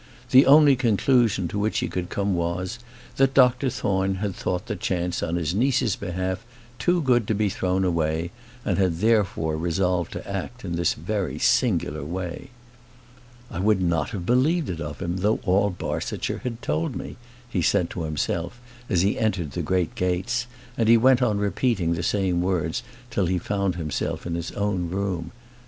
The only conclusion to which he could come was, that Dr Thorne had thought the chance on his niece's behalf too good to be thrown away, and had, therefore, resolved to act in this very singular way. "I would not have believed it of him, though all Barsetshire had told me," he said to himself as he entered the great gates; and he went on repeating the same words till he found himself in his own room.